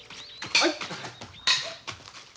はい。